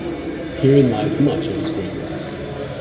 Herein lies much of his greatness.